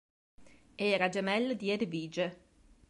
Era gemella di Edvige.